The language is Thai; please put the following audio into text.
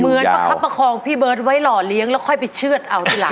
ประคับประคองพี่เบิร์ตไว้หล่อเลี้ยงแล้วค่อยไปเชื่อดเอาทีหลัง